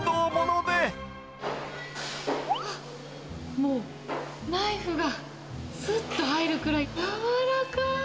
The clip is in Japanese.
わっ、もうナイフがすっと入るくらい軟らかい。